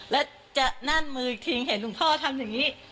แล้วจะนั่นมืออีกทีเห็นหลวงพ่อทำอย่างนี้